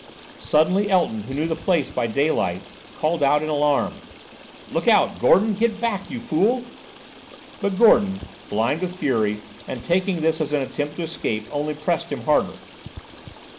Suddenly, Elton, who knew the place by daylight, called out in alarm. "Look out, Gordon! Get back, you fool!" But Gordon, blind with fury, and taking this as attempt to escape, only pressed him harder.